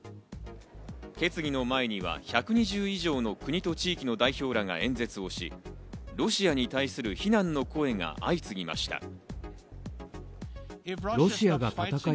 決議の前には１２０以上の国と地域の代表らが演説をし、ロシアに対する非難の声が相次ぎました。